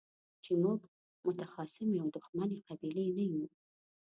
چې موږ متخاصمې او دښمنې قبيلې نه يو.